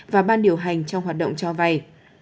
và ban điều hành trong hoạt động cho vai